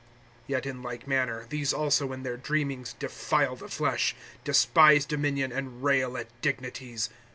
(8)Yet, in like manner, these also in their dreamings defile the flesh, despise dominion, and rail at dignities.